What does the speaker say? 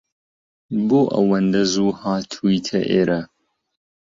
بۆ ئەوەندە زوو هاتوویتە ئێرە؟